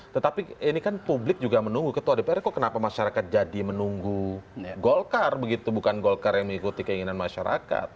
tetapi ini kan publik juga menunggu ketua dpr kok kenapa masyarakat jadi menunggu golkar begitu bukan golkar yang mengikuti keinginan masyarakat